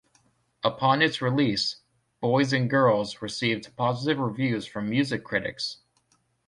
Upon its release, "Boys and Girls" received positive reviews from music critics.